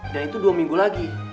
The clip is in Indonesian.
dan itu dua minggu lagi